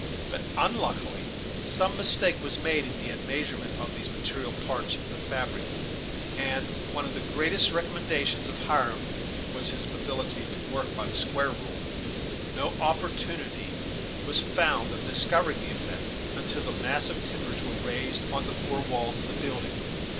But, unluckily, some mistake was made in the admeasurement of these material parts of the fabric; and, as one of the greatest recommendations of Hiram was his ability to work by the "square rule," no opportunity was found of discovering the effect until the massive timbers were raised on the four walls of the building.